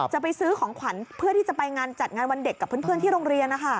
จะไปซื้อของขวัญเพื่อที่จะไปงานจัดงานวันเด็กกับเพื่อนที่โรงเรียน